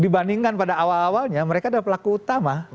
dibandingkan pada awal awalnya mereka adalah pelaku utama